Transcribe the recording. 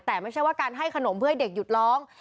แต่ไม่ใช่ว่าการให้ขนมเพื่อให้เด็กหยุดร้อง